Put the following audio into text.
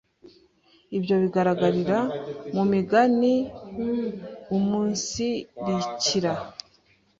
Ibyo bigaragarira mu migani iumunsirikira